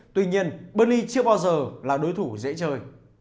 tuy nhiên burney chưa bao giờ là đối thủ dễ chơi